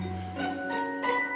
sudah enam bulan lebih